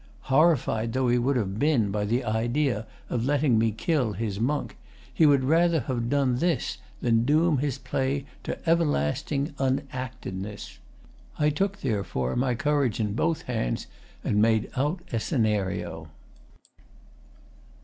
Horrified though he would have been by the idea of letting me kill his Monk, he would rather have done even this than doom his play to everlasting unactedness. I took, therefore, my courage in both hands, and made out a scenario....